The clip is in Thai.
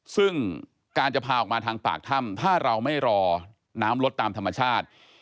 ซึ่งการจะพาออกมาทางปากถ้ำถ้าเราไม่รอน้ำลดตามธรรมชาติ